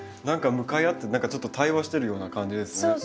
何か向かい合ってちょっと対話してるような感じですね。